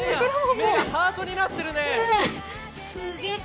目がハートになってるね。